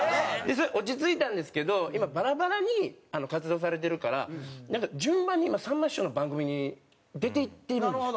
それ落ち着いたんですけど今バラバラに活動されてるから順番に今さんま師匠の番組に出ていっているんです。